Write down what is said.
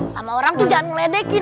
sama orang tuh jangan ngeledekin